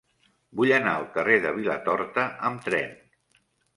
Vull anar al carrer de Vilatorta amb tren.